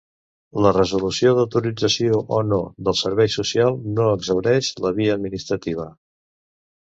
La resolució d'autorització o no del servei social no exhaureix la via administrativa.